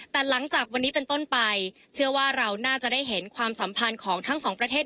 แต่หลังจากวันนี้เป็นต้นไปเชื่อว่าเราน่าจะได้เห็นความสัมพันธ์ของทั้งสองประเทศ